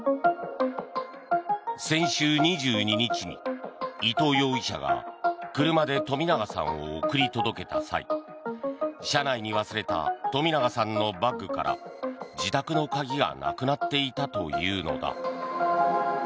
先週２２日に伊藤容疑者が車で冨永さんを送り届けた際車内に忘れた冨永さんのバッグから自宅の鍵がなくなっていたというのだ。